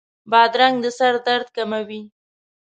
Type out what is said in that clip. بادرنګ د سر درد کموي.